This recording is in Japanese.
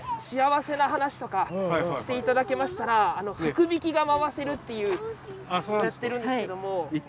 幸せな話とかしていただけましたら福引きが回せるっていうやってるんですけども。